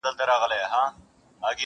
ټوله ته وای ټوله ته وای٫